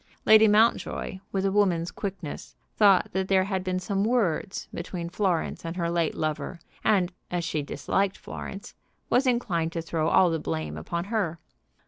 Lady Mountjoy, with a woman's quickness, thought that there had been some words between Florence and her late lover, and, as she disliked Florence, was inclined to throw all the blame upon her.